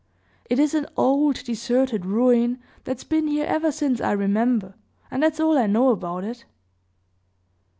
"It is an old, deserted ruin that's been here ever since I remember; and that's all I know about it."